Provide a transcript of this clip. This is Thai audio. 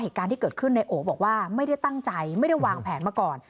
เหตุการณ์ที่เกิดขึ้นในโอบอกว่าไม่ได้ตั้งใจไม่ได้วางแผนมาก่อน